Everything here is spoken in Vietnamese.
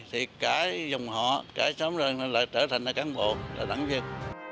thì cả dòng họ cả xóm rừng lại trở thành là cán bộ là đảng viên